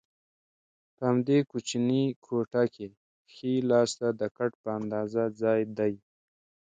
په همدې کوچنۍ کوټه کې ښي لاسته د کټ په اندازه ځای دی.